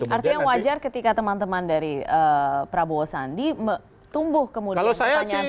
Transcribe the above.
artinya wajar ketika teman teman dari prabowo sandi tumbuh kemudian pertanyaan pertanyaan seperti ini